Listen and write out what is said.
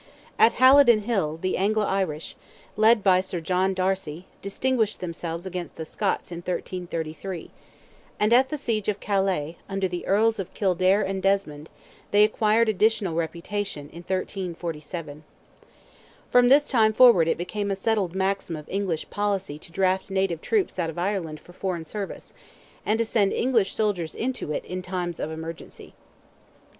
At Halidon hill the Anglo Irish, led by Sir John Darcy, distinguished themselves against the Scots in 1333; and at the siege of Calais, under the Earls of Kildare and Desmond, they acquired additional reputation in 1347. From this time forward it became a settled maxim of English policy to draft native troops out of Ireland for foreign service, and to send English soldiers into it in times of emergency.